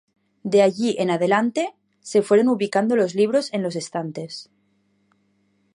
De allí en adelante, se fueron ubicando los libros en los estantes.